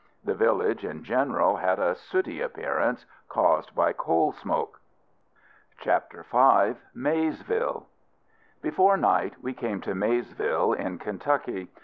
The villages, in general, had a sooty appearance, caused by coal smoke. CHAPTER V. MAYSVILLE. Before night we came to Maysville, in Kentucky.